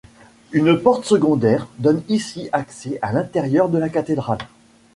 Une porte secondaire donne ici accès à l'intérieur de la cathédrale.